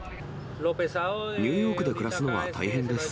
ニューヨークで暮らすのは大変です。